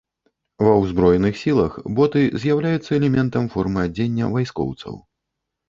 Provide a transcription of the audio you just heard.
Ва ўзброеных сілах боты з'яўляюцца элементам формы адзення вайскоўцаў.